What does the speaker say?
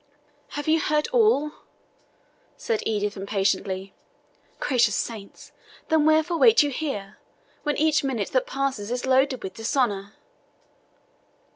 "Have you heard all?" said Edith impatiently. "Gracious saints! then wherefore wait you here, when each minute that passes is loaded with dishonour!"